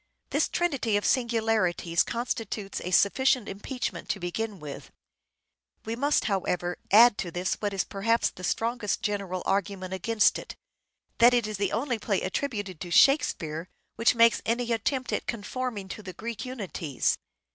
This trinity of singularities constitutes a sufficient impeachment to begin with. We must, however, add to this what is perhaps the strongest general argument against it, that it is the only play attributed to " Shakespeare " which makes any attempt at conforming to the Greek unities.